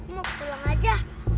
mau pulang aja